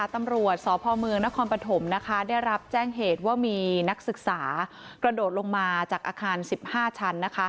ตำรวจสพเมืองนครปฐมได้รับแจ้งเหตุว่ามีนักศึกษากระโดดลงมาจากอาคาร๑๕ชั้น